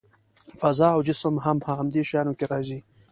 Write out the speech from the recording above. فضا او جسم هم په همدې شیانو کې راځي.